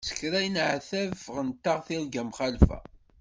S kra i neɛteb ffɣent-aɣ tirga mxalfa.